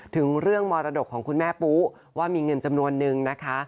ถึงเรื่องมรดกของคุณแม่ปุ๊ว่ามีเงินจำนวนนึงนะคะ